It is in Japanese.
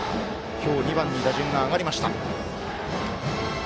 今日２番の打順が上がりました。